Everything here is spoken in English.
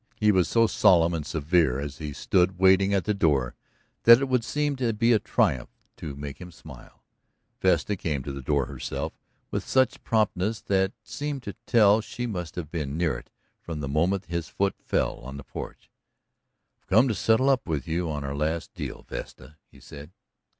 He was so solemn and severe as he stood waiting at the door that it would seem to be a triumph to make him smile. Vesta came to the door herself, with such promptness that seemed to tell she must have been near it from the moment his foot fell on the porch. "I've come to settle up with you on our last deal, Vesta," he said.